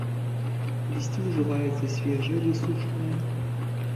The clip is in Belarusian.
Лісце ўжываецца свежае ды сушанае.